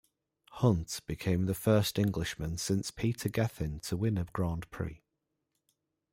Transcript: Hunt became the first Englishman since Peter Gethin to win a Grand Prix.